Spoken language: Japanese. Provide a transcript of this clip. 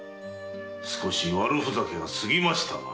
少し悪ふざけが過ぎましたなあ。